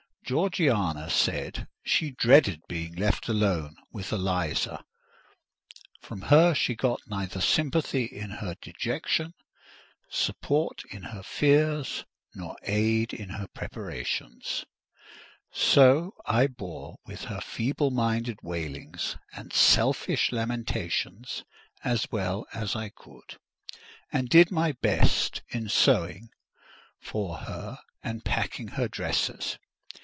Georgiana said she dreaded being left alone with Eliza; from her she got neither sympathy in her dejection, support in her fears, nor aid in her preparations; so I bore with her feeble minded wailings and selfish lamentations as well as I could, and did my best in sewing for her and packing her dresses.